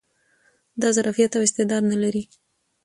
دا ظرفيت او استعداد نه لري